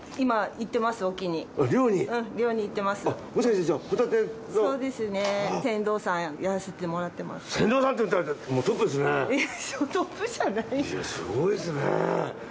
いやすごいですね。